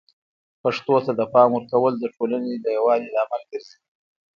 پښتو ته د پام ورکول د ټولنې د یووالي لامل ګرځي.